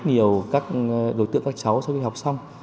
nhiều các đối tượng các cháu sau khi học xong